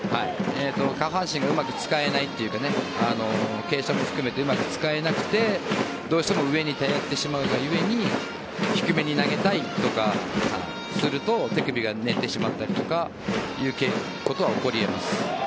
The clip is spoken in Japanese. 下半身がうまく使えないというか傾斜も含めてうまく使えなくてどうしても上に頼ってしまうが故に低めに投げたいとかすると手首が寝てしまったりとかということは起こりえます。